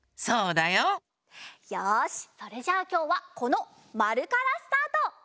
よしそれじゃあきょうはこのまるからスタート！